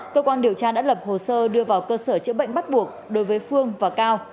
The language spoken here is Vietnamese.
cơ quan điều tra đã lập hồ sơ đưa vào cơ sở chữa bệnh bắt buộc đối với phương và cao